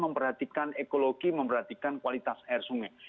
memperhatikan ekologi memperhatikan kualitas air sungai